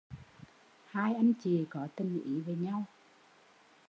Hai anh chị có tình ý với nhau